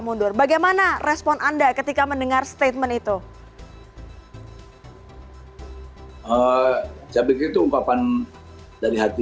mundur bagaimana respon anda ketika mendengar statement itu saya begitu ungkapan dari hati